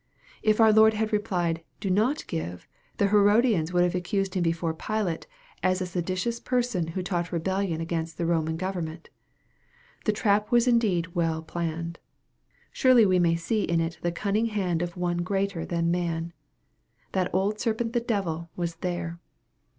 If our Lord had replied, " Do not give," the Herodians would have accused him before Pilate, as a seditious person who taught rebellion against the Roman government. The trap was indeed well planned. Surely we may see in it the cunning hand of one greater than man. That old serpent the devil was there.